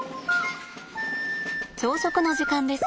朝食の時間です。